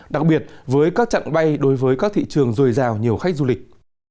đặc biệt với các chặng bay đối với các thị trường dồi dào nhiều khách du lịch